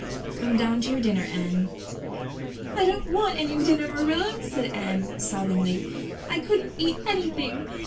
"Come down to your dinner, Anne." "I don't want any dinner, Marilla," said Anne, sobbingly. "I couldn't eat anything.